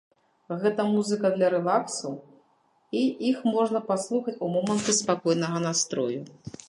Гэта музыка для рэлаксу, і іх можна паслухаць ў моманты спакойнага настрою.